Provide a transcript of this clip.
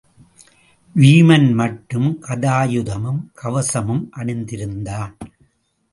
வீமன் மட்டும் கதாயுதமும் கவசமும் அணிந்திருந்தான்.